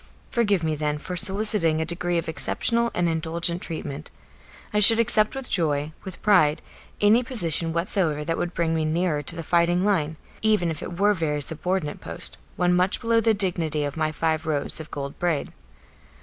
Forgive me then for soliciting a degree of exceptional and indulgent treatment. I should accept with joy, with pride, any position whatsoever that would bring me nearer to the fighting line, even if it were a very subordinate post, one much below the dignity of my five rows of gold braid.